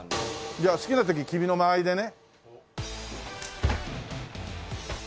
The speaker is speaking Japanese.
じゃあ好きな時君の間合いでね。